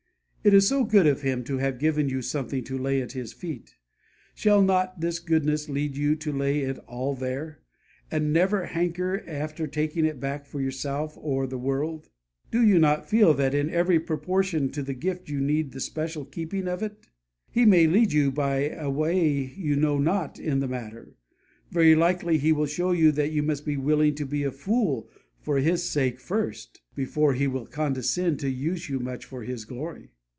It is so good of Him to have given you something to lay at His feet; shall not this goodness lead you to lay it all there, and never hanker after taking it back for yourself or the world? Do you not feel that in very proportion to the gift you need the special keeping of it? He may lead you by a way you know not in the matter; very likely He will show you that you must be willing to be a fool for His sake first, before He will condescend to use you much for His glory.